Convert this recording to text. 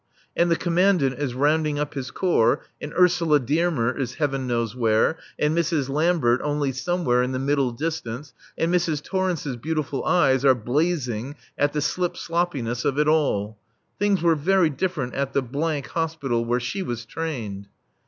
And the Commandant is rounding up his Corps, and Ursula Dearmer is heaven knows where, and Mrs. Lambert only somewhere in the middle distance, and Mrs. Torrence's beautiful eyes are blazing at the slip sloppiness of it all. Things were very different at the Hospital, where she was trained.